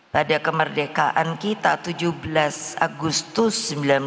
pada kemerdekaan kita tujuh belas agustus seribu sembilan ratus empat puluh lima